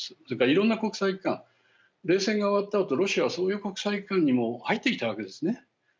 それからいろんな国際機関冷戦が終わったあとロシアはそういう国際機関にも入ってきたわけですね。